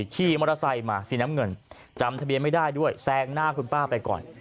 ขี่มอเตอร์ไซค์มาสีน้ำเงินจำทะเบียนไม่ได้ด้วยแซงหน้าคุณป้าไปก่อน